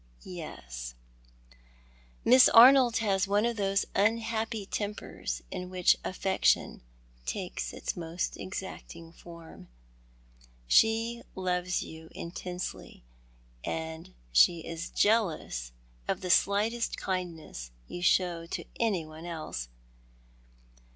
"Yes, Miss Arnold has one of those unhappy tempers in which affection takes its most exacting form. She loves you intensely, and she is jealous of the slightest kindness you show to any one else.